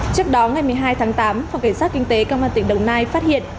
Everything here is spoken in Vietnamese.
trước đó ngày một mươi hai tháng tám phòng cảnh sát kinh tế công an tỉnh đồng nai phát hiện